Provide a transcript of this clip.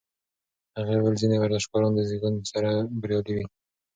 هغې وویل ځینې ورزشکاران د زېږون سره بریالي وي.